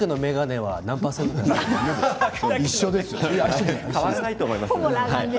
ほぼ変わらないと思いますよ。